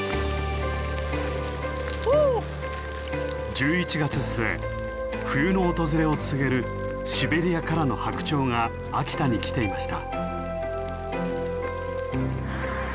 １１月末冬の訪れを告げるシベリアからの白鳥が秋田に来ていました。